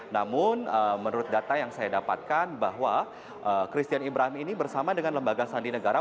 namun menurut data yang saya dapatkan bahwa christian ibraham ini bersama dengan lembaga sandi negara